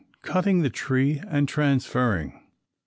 CUTTING THE TREE AND TRANSFERRING.